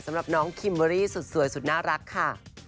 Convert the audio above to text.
สำหรับน้องคิมเบอรี่สุดสวยสุดน่ารักค่ะ